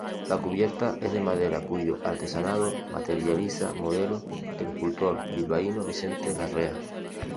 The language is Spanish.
La cubierta es de madera, cuyo artesanado materializa modelos del escultor bilbaíno Vicente Larrea.